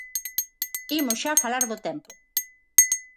Imos xa falar do tempo.